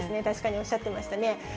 確かにおっしゃってましたね。